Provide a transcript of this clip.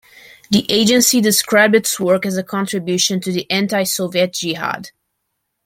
The agency described its work as a contribution to the anti-Soviet jihad.